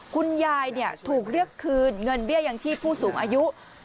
คุณยายเนี้ยถูกเลือกคืนเงินเบี้ยยังที่ผู้สูงอายุ